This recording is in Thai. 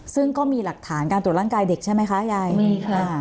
ซึ่งก็มีหลักฐานการตรวจร่างกายเด็กใช่ไหมคะยายมีค่ะ